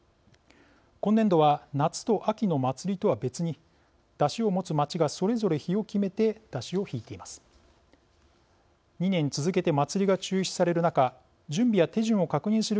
今年度は夏と秋の祭りとは別に山車を持つ町がそれぞれ日を決めて山車をひいています。